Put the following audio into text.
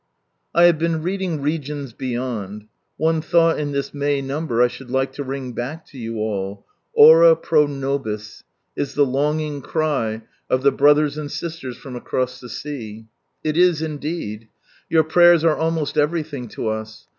I have been reading Regions Beyond. One thought in this May number I should like to ring back to you all^" ' Ora pro nobis ' is the longing cry of the 34 Sun rise I.nnd ' 1 brothers and sisters from across the sea." It is indeed. Your prayers are almost everything to us.